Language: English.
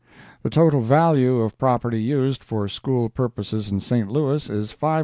The total value of property used for school purposes in St. Louis is $533,440.